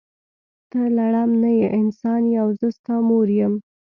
ته لړم نه یی انسان یی او زه ستا مور یم.